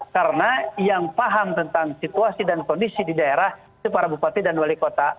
karena yang paham tentang situasi dan kondisi di daerah itu para bupati dan wali kota